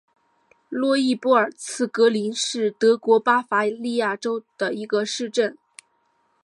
洛伊波尔茨格林是德国巴伐利亚州的一个市镇。